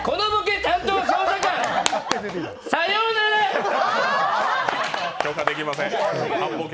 発砲許可できません。